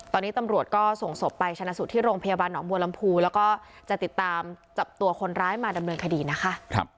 ตอนนี้ตำรวจก็ส่งศพไปชนะสูตรที่โรงพยาบาลหนองบัวลำพูแล้วก็จะติดตามจับตัวคนร้ายมาดำเนินคดีนะคะ